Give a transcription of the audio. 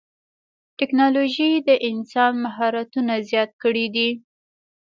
ټکنالوجي د انسان مهارتونه زیات کړي دي.